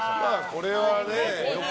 これはね。